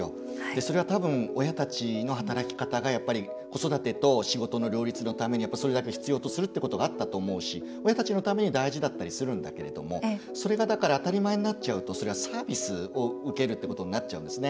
それは多分、親たちの働き方が子育てと仕事の両立のためにそれだけ必要だということもあったと思うし、親たちのために大事だったりするんだけどもそれが、だから当たり前になっちゃうとサービスを受けるということになっちゃうんですね。